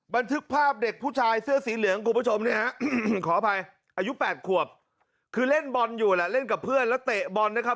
บันทึกภาพเด็กผู้ชายเสื้อสีเหลืองคุณผู้ชมเนี่ยฮะขออภัยอายุ๘ขวบคือเล่นบอลอยู่แหละเล่นกับเพื่อนแล้วเตะบอลนะครับ